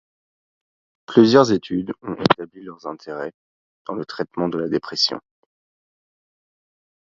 Plusieurs études ont établi leur intérêt dans le traitement de la dépression.